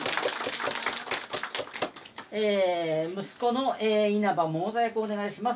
息子の稲葉百太役をお願いします